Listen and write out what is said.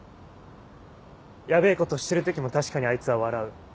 ヤベェことしてる時も確かにあいつは笑う。